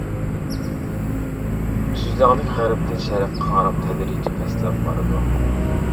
تۈزلەڭلىك غەربتىن شەرققە قاراپ تەدرىجىي پەسلەپ بارىدۇ.